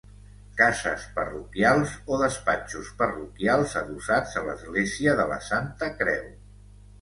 Cases parroquials o despatxos parroquials adossats a l'església de la Santa Creu.